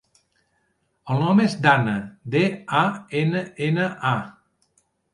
El nom és Danna: de, a, ena, ena, a.